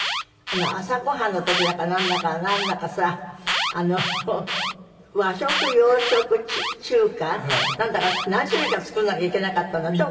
朝ごはんの時だかなんだかなんだかさあの和食洋食中華なんだか何種類か作らなきゃいけなかったんだって？